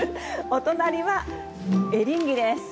お隣はエリンギです。